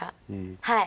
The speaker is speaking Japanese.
はい。